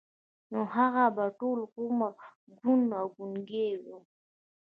نو هغه به ټول عمر کوڼ او ګونګی و.